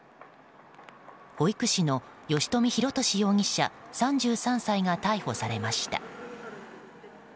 保育士の吉冨弘敏容疑者３３歳が逮捕されました。